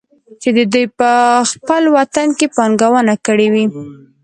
چې دوي په خپل وطن کې پانګونه کړى وى.